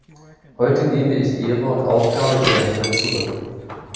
Heute gebe ich Ehre und Aufgabe in Ihre Hände zurück.